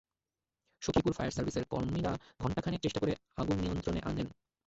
Sakhipur fire সার্ভিসের কর্মীরা ঘণ্টা খানেক চেষ্টা করে আগুন নিয়ন্ত্রণে আনেন।